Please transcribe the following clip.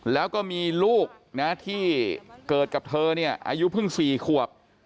แล้วก็มีลูกนะที่เกิดกับเธอเนี่ยอายุเพิ่ง๔ขวบ